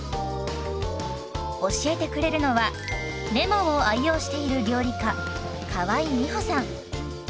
教えてくれるのはレモンを愛用している料理家河井美歩さん。